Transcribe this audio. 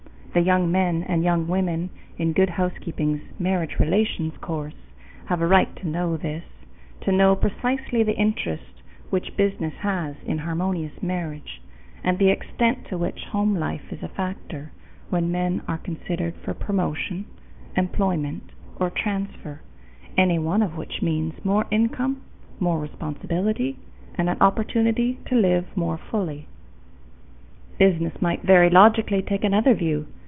The young men and young women in Good Housekeeping's marriage relations course have a right to know this, to know precisely the interest which business has in harmonious marriage and the extent to which home life is a factor when men are considered for promotion, employment, or transfer any one of which means more income, more responsibility, and an opportunity to live more fully. Business might very logically take another view.